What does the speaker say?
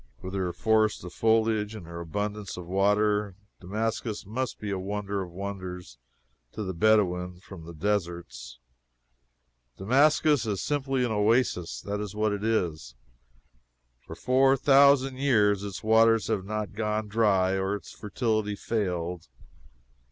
With her forest of foliage and her abundance of water, Damascus must be a wonder of wonders to the Bedouin from the deserts. Damascus is simply an oasis that is what it is. For four thousand years its waters have not gone dry or its fertility failed.